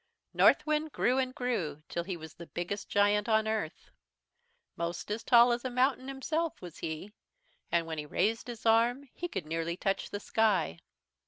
"Northwind grew and grew till he was the biggest giant on earth. Most as tall as a mountain himself was he, and when he raised his arm he could nearly touch the sky.